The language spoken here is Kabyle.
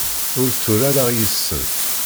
Ur tturareɣ yes-sen.